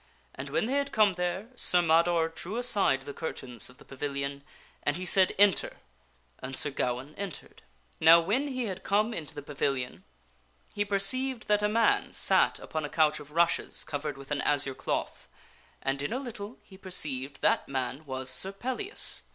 And when they had come there Sir Mador drew aside the curtains of the pavilion, and he said, " Enter! " and Sir Gawaine entered. SIR GAWAINE FINDS SIR PELLIAS 257 Now, when he had come into the pavilion he perceived that a man sat upon a couch of rushes covered with an azure cloth, and in a little he perceived that man was Sir Pellias.